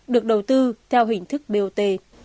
được đầu tư theo hình thức bot